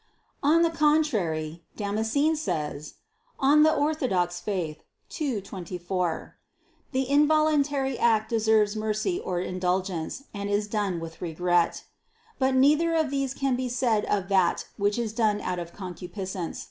On the contrary, Damascene says (De Fide Orth. ii, 24): "The involuntary act deserves mercy or indulgence, and is done with regret." But neither of these can be said of that which is done out of concupiscence.